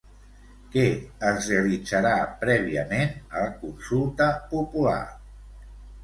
Què es realitzarà prèviament a consulta popular?